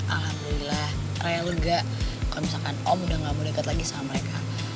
alhamdulillah raya lega kalau misalkan om udah gak mau dekat lagi sama mereka